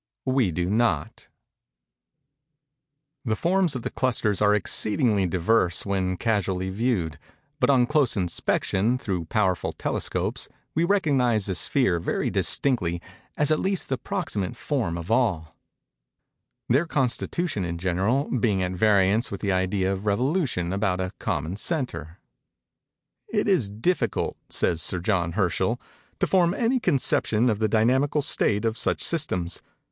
We do not. The forms of the clusters are exceedingly diverse when casually viewed; but on close inspection, through powerful telescopes, we recognize the sphere, very distinctly, as at least the proximate form of all:—their constitution, in general, being at variance with the idea of revolution about a common centre. "It is difficult," says Sir John Herschell, "to form any conception of the dynamical state of such systems.